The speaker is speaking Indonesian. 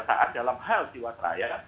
saat dalam hal jiwa rakyat